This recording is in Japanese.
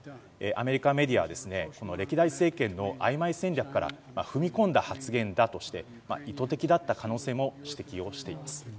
アメリカメディアは歴代政権のあいまい戦略から踏み込んだ発言だとして意図的だった可能性も指摘をしています。